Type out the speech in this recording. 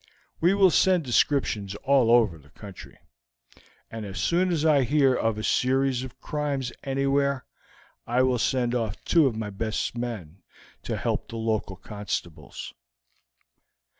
We will send descriptions all over the country, and as soon as I hear of a series of crimes anywhere, I will send off two of my best men to help the local constables."